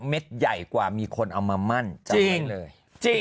นี่นี่นี่นี่